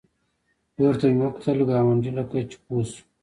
پورته مې وکتل، ګاونډي لکه چې پوه شو.